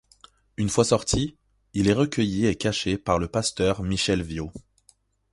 Une fois sorti, il est recueilli et caché par le pasteur Michel Viot.